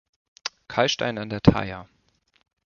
Karlstein an der Thaya